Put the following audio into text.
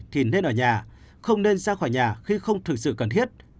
thì nên ở nhà không nên ra khỏi nhà khi không thực sự cần thiết